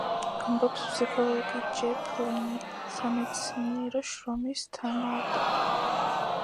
ამბობს ფსიქოლოგი ჯეფ ლინი, სამეცნიერო შრომის თანაავტორი.